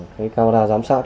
cái cao đa giám sát